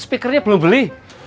speakernya belum beli